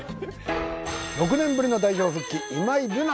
６年ぶりの代表復帰今井月選手